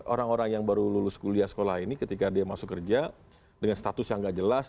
orang orang yang baru lulus kuliah sekolah ini ketika dia masuk kerja dengan status yang nggak jelas